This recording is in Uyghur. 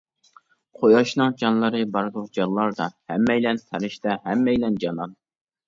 قۇياشنىڭ جانلىرى باردۇر جانلاردا، ھەممەيلەن پەرىشتە، ھەممەيلەن جانان.